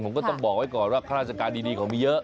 ผมก็ต้องบอกไว้ก่อนว่าข้าราชการดีเขามีเยอะ